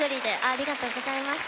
ありがとうございます。